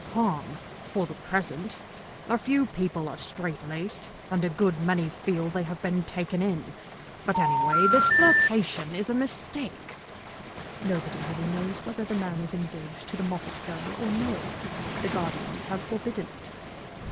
"Harm, for the present. A few people are straitlaced, and a good many feel they have been taken in. But, anyway, this flirtation is a mistake." "Nobody really knows whether the man is engaged to the Moffatt girl or no. The guardians have forbidden it."